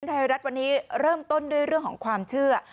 ไทยรัฐวันนี้เริ่มต้นด้วยเรื่องของความเชื่อ